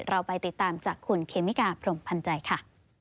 เราไปติดตามจากคุณเคมิกาพรมพันธ์ใจค่ะ